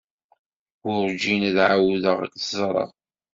Werjin ad ɛawdeɣ ad tt-ẓreɣ.